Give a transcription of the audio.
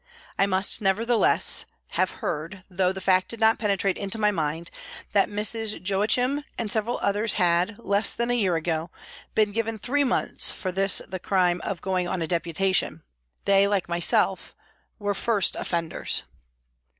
I must, nevertheless, have heard, though the fact did not penetrate into my mind, that Miss Joachim and several others had, less than a year ago, been given three months for this crime of going on a deputation they, like myself, were first offenders.